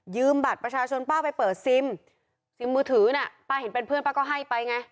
บัตรประชาชนป้าไปเปิดซิมซิมมือถือน่ะป้าเห็นเป็นเพื่อนป้าก็ให้ไปไง